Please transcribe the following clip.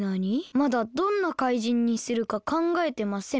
「まだどんなかいじんにするかかんがえてません。